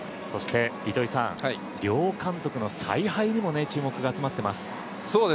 糸井さん両監督の采配にも注目が集まっています。